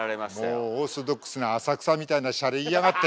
もうオーソドックスな浅草みたいなシャレ言いやがって！